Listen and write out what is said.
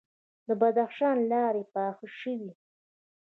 د بدخشان لارې پاخه شوي؟